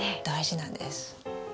大事なんです。